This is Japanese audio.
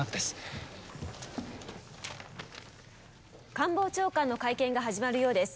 官房長官の会見が始まるようです。